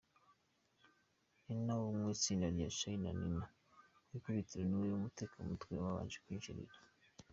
Nina wo mu itsinda rya Charly na Nina ku ikubitiro niwe umutekamutwe yabanje kwinjirira.